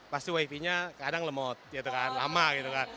pasti wifinya kadang lemot lama gitu kan